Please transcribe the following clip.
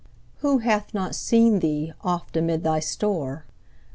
Who hath not seen thee oft amid thy store?